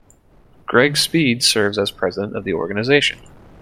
Greg Speed serves as president of the organization.